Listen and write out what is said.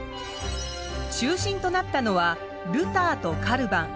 中心となったのはルターとカルヴァン。